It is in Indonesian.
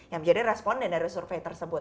yang menjadi responden dari survei tersebut